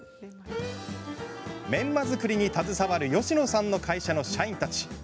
メンマ作りに携わる吉野さんの会社の社員たち。